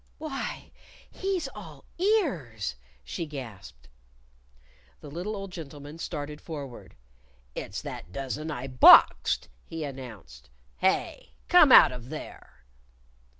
"Why, he's all ears!" she gasped. The little old gentleman started forward. "It's that dozen I boxed!" he announced. "Hey! Come out of there!"